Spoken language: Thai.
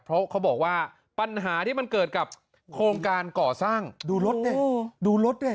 เพราะเขาบอกว่าปัญหาที่มันเกิดกับโครงการก่อสร้างดูรถดิดูรถดิ